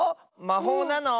まほうなの？